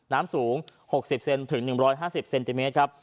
น้ำสูง๖๐เซนถึง๑๕๐เซนติเมตรครับ